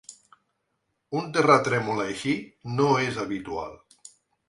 Un terratrèmol així no és habitual.